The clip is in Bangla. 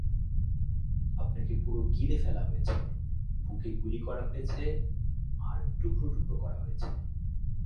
আপনাকে পুরো গিলে ফেলা হয়েছে, বুকে গুলি করা হয়েছে আর টুকরো-টুকরো করা হয়েছে।